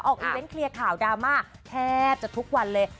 อีเวนต์เคลียร์ข่าวดราม่าแทบจะทุกวันเลย